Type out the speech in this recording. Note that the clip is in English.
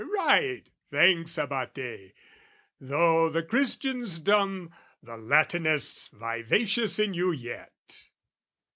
Right, thanks, Abate, though the Christian's dumb, The Latinist's vivacious in you yet!